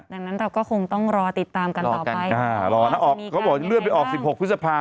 ดังนั้นเราก็คงต้องรอติดตามกันต่อไปอ่ารอนะออกเขาบอกจะเลื่อนไปออกสิบหกพฤษภา